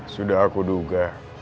sudah aku duga